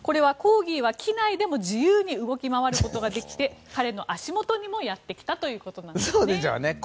コーギーは機内でも自由に動き回ることができて彼の足元にもやってきたということですね。